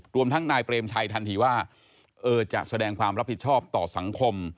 รวมทั้งนายเปรมชัยทันทีว่าจะแสดงความรับผิดชอบต่อสังคม